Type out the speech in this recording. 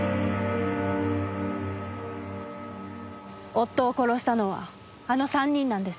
夫を殺したのはあの３人なんです。